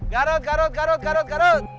garut garut garut garut garut